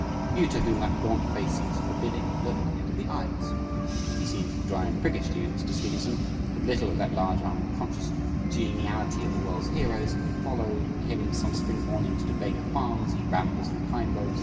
You to whom that gaunt face seems forbidding look into the eyes! If he seems "dry and priggish" to you, Mr. Stevenson, "with little of that large unconscious geniality of the world's heroes," follow him some spring morning to Baker Farm, as he "rambles through pine groves